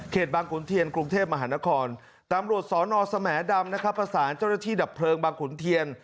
บางขุนเทียนกรุงเทพมหานครตำรวจสอนอสแหมดำนะครับประสานเจ้าหน้าที่ดับเพลิงบางขุนเทียน